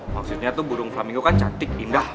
maksudnya tuh burung famigu kan cantik indah